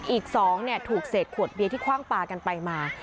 อีก๒ถูกเศษขวดเบียร์ที่คว่างปลากันไปมา